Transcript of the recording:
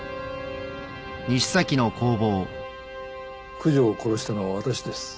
九条を殺したのは私です。